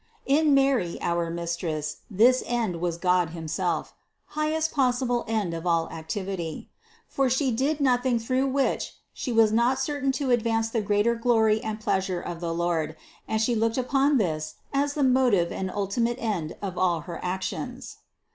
In Mary, our Mistress, this end was God himself, THE CONCEPTION 373 highest possible end of all activity; for She did nothing through which She was not certain to advance the greater glory and pleasure of the Lord and She looked upon this as the motive and ultimate end of all her actions.